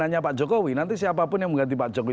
hanya pak jokowi nanti siapapun yang mengganti pak jokowi